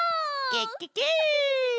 ケッケケ！